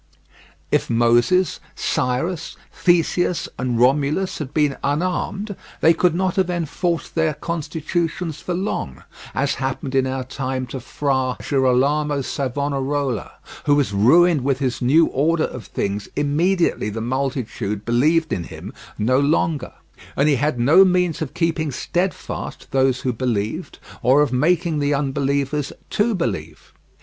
If Moses, Cyrus, Theseus, and Romulus had been unarmed they could not have enforced their constitutions for long—as happened in our time to Fra Girolamo Savonarola, who was ruined with his new order of things immediately the multitude believed in him no longer, and he had no means of keeping steadfast those who believed or of making the unbelievers to believe.